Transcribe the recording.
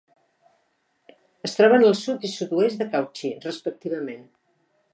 Es troben al sud i sud-oest de Cauchy, respectivament.